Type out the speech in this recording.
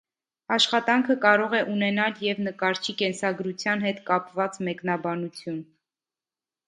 Աշխատանքը կարող է ունենալ և նկարչի կենսագրության հետ կապված մեկնաբանություն։